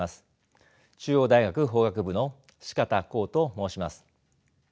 中央大学法学部の四方光と申します。